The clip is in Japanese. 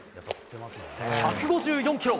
１５４キロ！